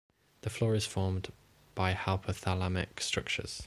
The floor is formed by hypothalamic structures.